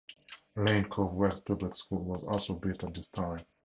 Lane Cove West Public School was also built at this time.